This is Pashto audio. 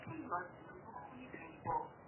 په نارو به یې خبر سمه او غر سو